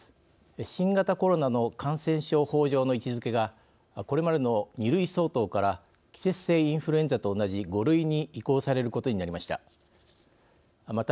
新型コロナの感染症法上の位置づけがこれまでの２類相当から季節性インフルエンザと同じ５類に移行されることになりました。